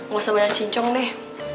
gak usah banyak cincong nih